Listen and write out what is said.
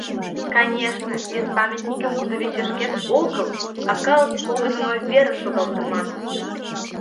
Конешне, вес памятникым кудывечышкет огыл, а калык погынымо верыш шогалтыман.